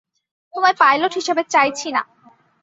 তোমায় পাইলট হিসাবে চাইছি না।